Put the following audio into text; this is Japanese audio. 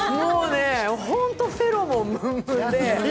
ホント、フェロモンむんむんで。